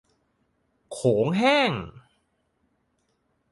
โขงแห้ง